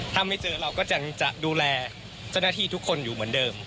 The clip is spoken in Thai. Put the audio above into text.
ถ้าไม่เจอเราก็จะดูแลเจ้าหน้าที่ทุกคนอยู่เหมือนเดิม